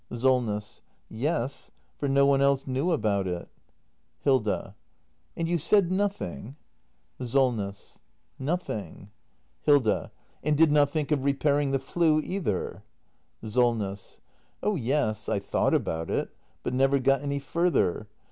Solness. Yes; for no one else knew about it. 360 THE MASTER BUILDER [act ii Hilda. And you said nothing ? SOLNESS. Nothing. Hilda. And did not think of repairing the flue either ? SOLNESS. Oh yes, I thought about it — but never got any further.